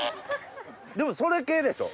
でもそれ系でしょ？